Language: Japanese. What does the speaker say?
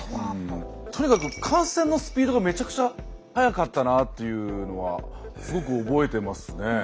とにかく感染のスピードがめちゃくちゃ速かったなっていうのはすごく覚えてますね。